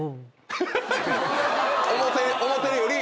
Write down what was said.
思うてるより。